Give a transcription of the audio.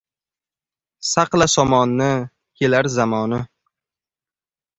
• Saqla somonni, kelar zamoni.